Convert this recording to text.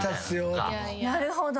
なるほど。